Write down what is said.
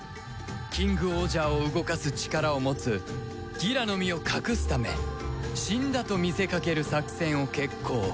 キングオージャーを動かす力を持つギラの身を隠すため死んだと見せかける作戦を決行